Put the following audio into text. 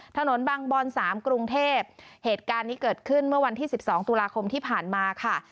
ถนนบางบอน๓กรุงเทพเหตุการณ์นี้เกิดขึ้นเมื่อวันที่๑๒ตุลาคมที่ผ่านมาค่ะ